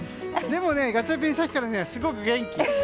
でもね、ガチャピンさっきからすごく元気！